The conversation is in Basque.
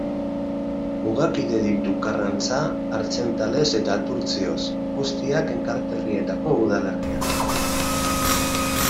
Mugakide ditu Karrantza, Artzentales eta Turtzioz, guztiak Enkarterrietako udalerriak.